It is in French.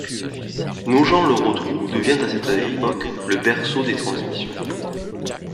Nogent-le-Rotrou devient à cette époque le berceau des transmissions.